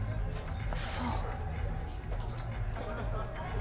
そう。